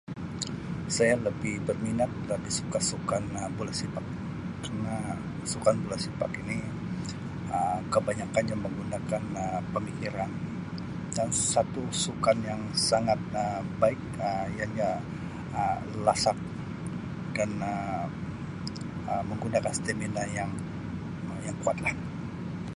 Saya lebih berminat dari suka sukan bola sepak kerna sukan bola sepak ini Um kebanyakkannya menggunakan Um pemikiran dan satu sukan yang sangat baik Um ianya Um lasak dan Um menggunakan stamina yang Um yang kuat lah.